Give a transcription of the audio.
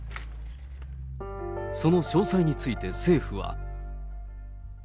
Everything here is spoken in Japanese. その詳細について、政府は。